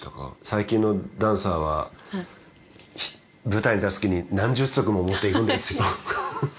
最近のダンサーは舞台に立つ時に何十足も持っていくんですよ